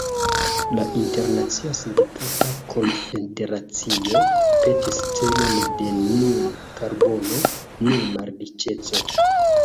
La Internacia Sindikata Konfederacio petis celon de "nul karbono, nul malriĉeco".